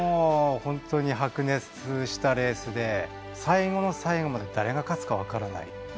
本当に白熱したレースで最後の最後まで誰が勝つか分からない。